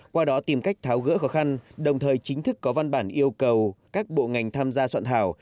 qua đó tìm cách tháo gỡ khó khăn đồng thời chính thức có văn bản yêu cầu các bộ ngành tham gia soạn thảo